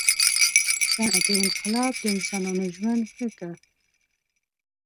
• صنعتي انقلاب د انسانانو ژوند ښه کړ.